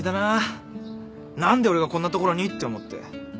何で俺がこんなところにって思って。